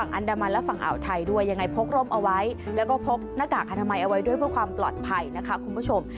ก็พกหน้ากากอนามัยเอาไว้ด้วยเพื่อความปลอดภัยนะคะคุณผู้ชม